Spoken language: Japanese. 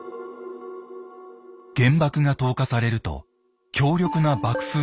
原爆が投下されると強力な爆風が発生。